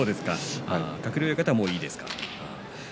鶴竜親方はもういいですか。